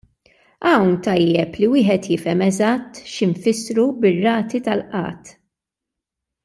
Hawn tajjeb li wieħed jifhem eżatt x'infissru bir-rati tal-qgħad.